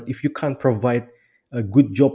tetapi jika anda tidak dapat memberikan